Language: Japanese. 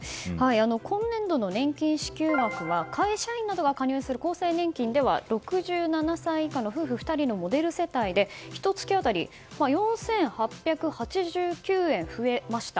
今年度の年金支給額は会社員などが加入する厚生年金では６７歳以下の夫婦２人のモデル世帯でひと月当たり４８８９円増えました。